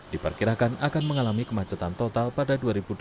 diperkirakan akan mengalami kemacetan total pada dua ribu delapan belas